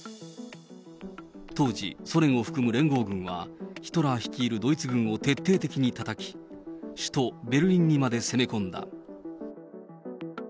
当時、ソ連を含む連合軍は、ヒトラー率いるドイツ軍を徹底的にたたき、首都ベルリンにまで攻め込んだ。